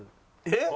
えっ！？